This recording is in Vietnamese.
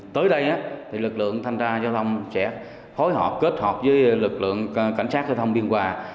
tới đây lực lượng thanh tra giao thông sẽ phối hợp kết hợp với lực lượng cảnh sát giao thông biên hòa